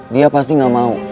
dia pasti gak mau